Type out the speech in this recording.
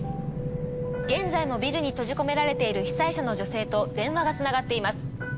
現在もビルに閉じ込められている被災者の女性と電話がつながっています。